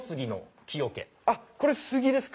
これ杉ですか？